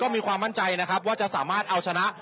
มีความมั่นใจนะครับว่าจะสามารถเอาชนะ